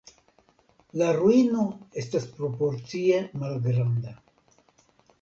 La ruino estas proporcie malgranda.